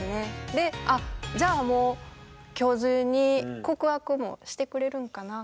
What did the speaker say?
であっじゃあもう今日中に告白もしてくれるんかな？